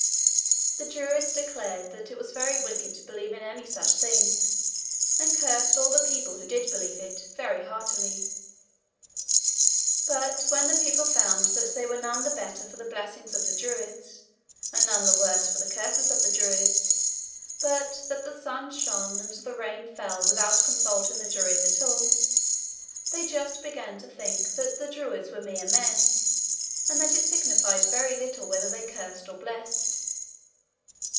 The Druids declared that it was very wicked to believe in any such thing, and cursed all the people who did believe it, very heartily. But, when the people found that they were none the better for the blessings of the Druids, and none the worse for the curses of the Druids, but, that the sun shone and the rain fell without consulting the Druids at all, they just began to think that the Druids were mere men, and that it signified very little whether they cursed or blessed.